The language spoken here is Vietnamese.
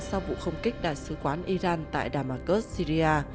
sau vụ không kích đại sứ quán iran tại damasus syria